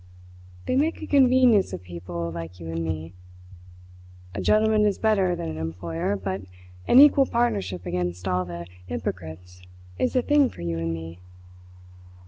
They make a convenience of people like you and me. A gentleman is better than an employer, but an equal partnership against all the 'yporcrits is the thing for you and me.